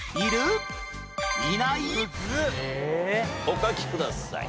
お書きください。